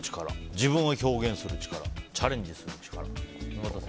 自分を表現する力チャレンジする力